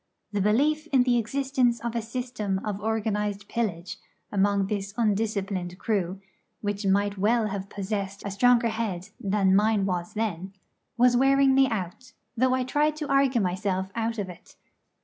The belief in the existence of a system of organised pillage among this undisciplined crew, which might well have possessed a stronger head than mine was then, was wearing me out, though I tried to argue myself out of it.